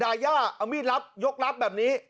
ยาย่าเอามีดรับยกรับแบบนี้